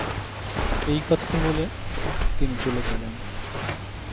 এই কথা বলে তিনি চলে গেলেন।